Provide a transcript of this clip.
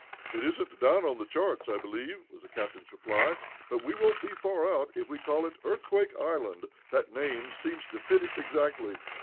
"It isn't down on the charts, I believe," was the captain's reply, "but we won't be far out, if we call it Earthquake Island. That name seems to fit it exactly."